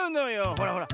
ほらほら